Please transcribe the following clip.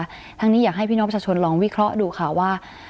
ทั้งนี้อยากให้พี่น้องประชาชนลองวิเคราะห์ดูค่ะว่า